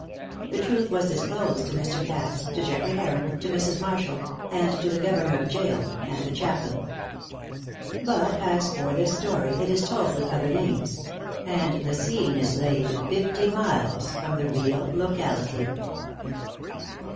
The truth was disclosed to Mr. Cass, to Geoffrey Heron, to Mrs. Marshall, and to the Governor of Gaol, and the chaplain. But as for this story it is told with other names; and the scene is laid fifty miles from the real locality.